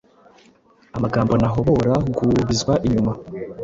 Amagambo ntahobora guubizwa inyuma